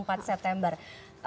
mungkin tidak bersama